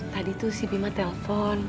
tadi tuh si bima telpon